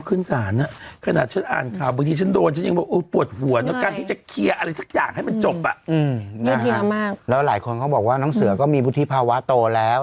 อืมอืมแล้วหลายคนเขาบอกว่าน้ำเสือก็มีบุฏิภาวะโตแล้ว